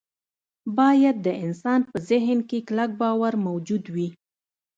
باید د انسان په ذهن کې کلک باور موجود وي